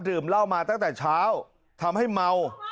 ดื่มเหล้ามาตั้งแต่เช้าทำให้เมา